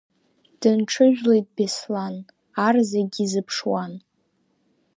Дынҽыжәлеит Беслан, ар зегь изыԥшуан.